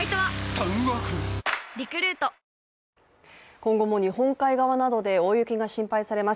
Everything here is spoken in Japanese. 今後も日本海側などで大雪が心配されます。